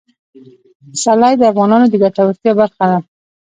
پسرلی د افغانانو د ګټورتیا برخه ده.